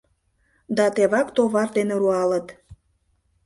Да тевак товар дене руалыт.